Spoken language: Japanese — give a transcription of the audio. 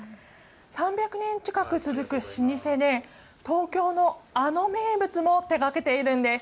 ３００年近く続く老舗で東京のあの名物も手がけているんです。